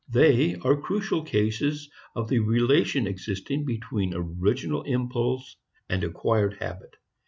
They are crucial cases of the relation existing between original impulse and acquired habit.